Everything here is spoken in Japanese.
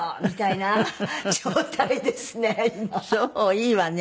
いいわね